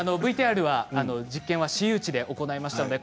ＶＴＲでは実験は私有地で行いました。